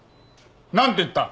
何て言った？